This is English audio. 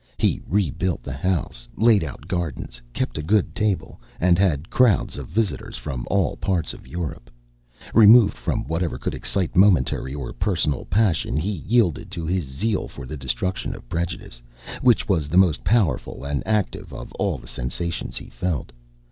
He rebuilt the house, laid out gardens, kept a good table, and had crowds of visitors from all parts, of Europe. Removed from whatever could excite momentary or personal passion, he yielded to his zeal for the destruction of prejudice, which was the most powerful and active of all the sensations he felt.